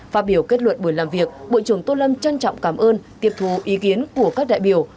phát biểu kết luận buổi làm việc bộ trưởng tô lâm trân trọng cảm ơn tiệp thù ý kiến của các đại biểu